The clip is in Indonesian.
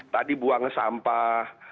tadi buang sampah